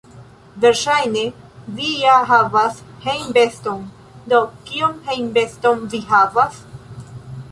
Versaĵne vi ja havas hejmbeston, do kion hejmbeston vi havas?